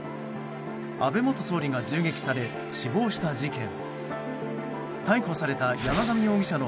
安倍元総理が銃撃され死亡した事件。